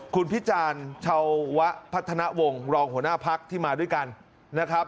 คุณพิจารณ์ชาวพัฒนาวงศ์รองหัวหน้าพักที่มาด้วยกันนะครับ